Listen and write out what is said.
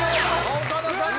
岡田さんだ！